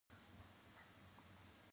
د دال پوستکی د څه لپاره لرې کړم؟